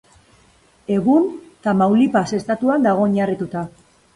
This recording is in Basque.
Egun, Tamaulipas estatuan dago oinarrituta.